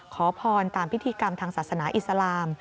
ขอพรตามพิธีกรรมทางศาสนาอิสลาม